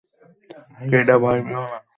Coda, ভয় পেয়ো না।